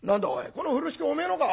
この風呂敷おめえのか？